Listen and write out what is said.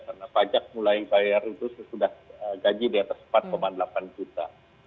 karena pajak mulai bayar itu sudah gaji di atas empat delapan juta